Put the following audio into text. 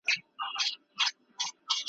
نذرانه مو غبرګي سترګي ورلېږلي .